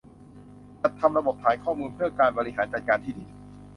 จัดทำระบบฐานข้อมูลเพื่อการบริหารจัดการที่ดิน